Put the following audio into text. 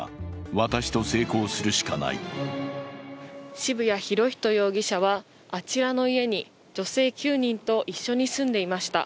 渋谷博仁容疑者はあちらの家に女性９人と一緒に住んでいました。